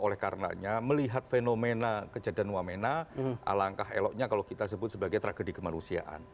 oleh karenanya melihat fenomena kejadian wamena alangkah eloknya kalau kita sebut sebagai tragedi kemanusiaan